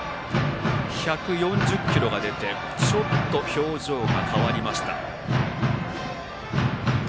１４０キロが出てちょっと表情が変わった。